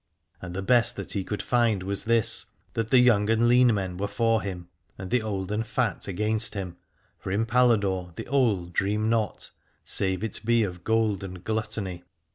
And the best that he could find was this, that the young and lean men were for him and the old and fat against him : for in Paladore the old dream not, save it be of gold and gluttony.